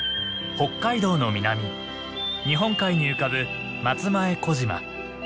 北海道の南日本海に浮かぶ松前小島。